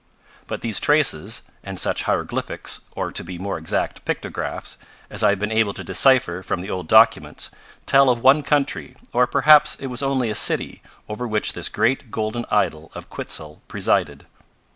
"But these traces, and such hieroglyphics, or, to be more exact pictographs, as I have been able to decipher from the old documents, tell of one country, or perhaps it was only a city, over which this great golden idol of Quitzel presided.